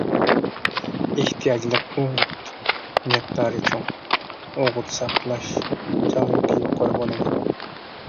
ئېھتىياجلىق ئوغۇت مىقدارى چوڭ، ئوغۇت ساقلاشچانلىقى يۇقىرى بولىدۇ.